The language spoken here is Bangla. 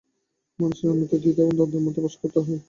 মানুষকে আমৃত্যু দ্বিধা এবং দ্বন্দ্বের মধ্যে বাস করতে হয়।